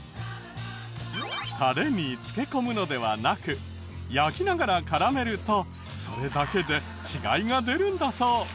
タレに漬け込むのではなく焼きながら絡めるとそれだけで違いが出るんだそう。